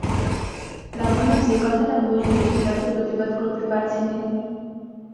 লাবণ্য যে কথাটা বললে সেটার তো প্রতিবাদ করতে পারছি নে।